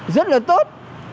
rất là tốt